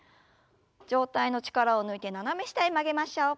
上体の力を抜いて斜め下へ曲げましょう。